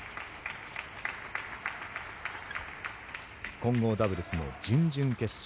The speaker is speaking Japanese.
混合ダブルスの準々決勝。